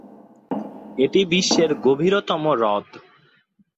এটি বিশ্বের গভীরতম হ্রদ।